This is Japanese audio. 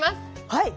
はい！